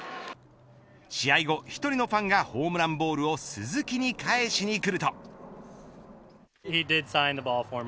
試合後、１人のファンがホームランボールを鈴木に返しに来ると。